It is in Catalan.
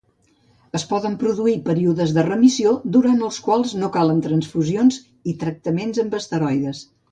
Es poden produir períodes de remissió durant els quals no calen transfusions i tractaments amb esteroides.